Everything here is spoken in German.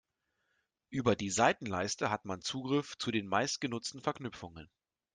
Über die Seitenleiste hat man Zugriff zu den meistgenutzten Verknüpfungen.